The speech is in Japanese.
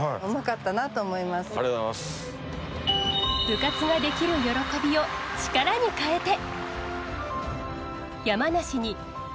部活ができる喜びを力に変えて。